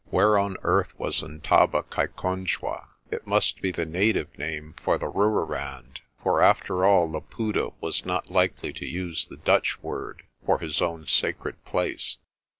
Where on earth was Ntabakaikonjwa? It must be the native name for the Rooirand, for after all Laputa was not likely to use the Dutch word for his own sacred place.